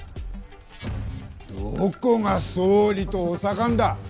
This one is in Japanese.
どこが総理と補佐官だ。